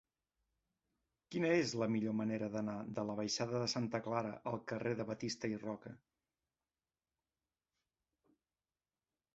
Quina és la millor manera d'anar de la baixada de Santa Clara al carrer de Batista i Roca?